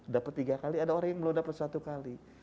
dapat tiga kali ada orang yang belum dapat satu kali